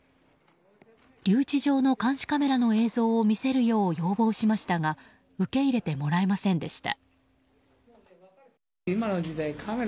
留置場の監視カメラの映像を見せるよう要望しましたが受け入れてもらえませんでした。